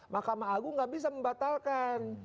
mahkamah agung nggak bisa membatalkan